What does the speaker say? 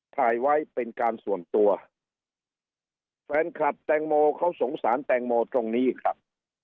ถ่ายไว้เป็นการส่วนตัวแฟนคลับแตงโมเขาสงสารแตงโมตรงนี้ครับ